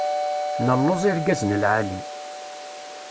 Nelluẓ irgazen lɛali.